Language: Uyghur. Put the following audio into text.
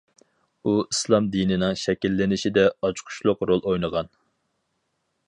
ئۇ ئىسلام دىنىنىڭ شەكىللىنىشىدە ئاچقۇچلۇق رول ئوينىغان.